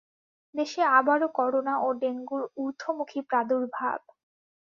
দেশে আবারও করোনা ও ডেঙ্গুর ঊর্ধ্বমুখী প্রাদুর্ভাব।